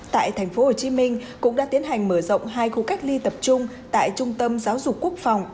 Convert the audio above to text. tại tp hcm cũng đã tiến hành mở rộng hai khu cách ly tập trung tại trung tâm giáo dục quốc phòng